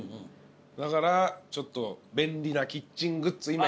だからちょっと便利なキッチングッズ